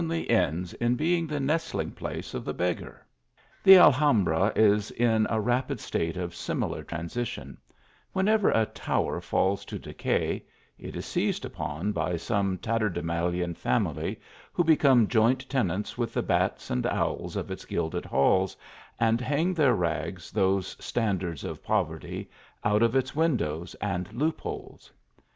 \l ends in being the nestling place of th c . beggar. The Alhimbra is in a rapid state of similar transition : whenever a tower falls to decay, it is seized upon by some tatterdemalion family, who become joint tenants with the bats and owls of its gilded halls, and hang their rags, those standards of poverty, out of its windows and loop holes.